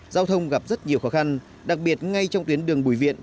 giao thông gặp rất nhiều khó khăn đặc biệt ngay trong tuyến đường bùi viện